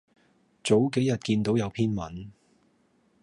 早幾日見到有篇文